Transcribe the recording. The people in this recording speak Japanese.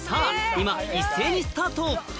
今一斉にスタート